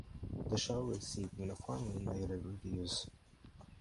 The show received uniformly negative reviews.